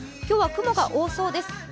今日は雲が多そうです。